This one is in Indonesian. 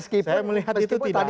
saya melihat itu tidak ada